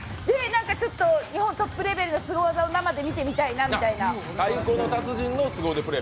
日本トップレベルのスゴ技を生で見てみたいなみたいな。